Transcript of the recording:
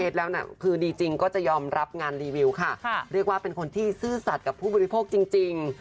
เรียกว่าเป็นคนที่ซื้อสัตว์กับผู้บริโภคจริง